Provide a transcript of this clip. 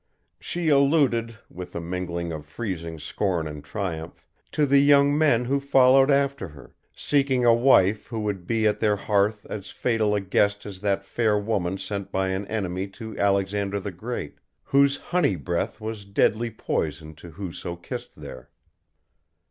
She alluded, with a mingling of freezing scorn and triumph, to the young men who followed after her "seeking a wife who would be at their hearth as fatal a guest as that fair woman sent by an enemy to Alexander the Great, whose honey breath was deadly poison to who so kissed there."